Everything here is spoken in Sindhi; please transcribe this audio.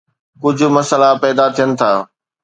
ڪجھ مسئلا پيدا ٿين ٿا